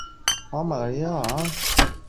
细齿密叶槭为槭树科槭属下的一个变种。